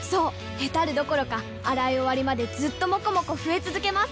ヘタるどころか洗い終わりまでずっともこもこ増え続けます！